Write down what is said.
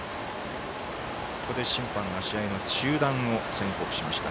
ここで審判が試合の中断を宣告しました。